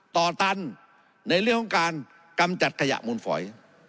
ต่อตันในเรื่องของการกำจัดขยะมูลฝอย